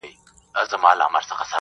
چا چې زیات شور وکړ هماغه عالم شو